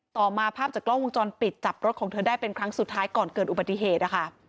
ต่อมาภาพจากกล้องวงจรปิดจับรถของเธอได้เป็นครั้งสุดท้ายก่อนเกิดอุบัติเหตุนะคะ